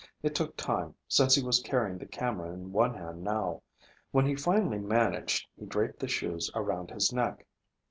It took time, since he was carrying the camera in one hand now. When he finally managed, he draped the shoes around his neck.